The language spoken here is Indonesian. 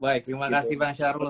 baik terima kasih pak syarul